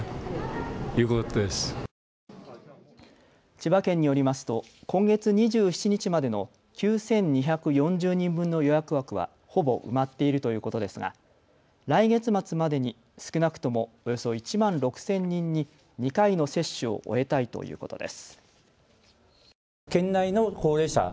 千葉県によりますと今月２７日までの９２４０人分の予約枠はほぼ埋まっているということですが来月末までに少なくともおよそ１万６０００人に２回の接種を終えたいということです。